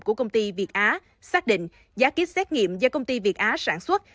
của công ty việt á xác định giá kýt xét nghiệm do công ty việt á sản xuất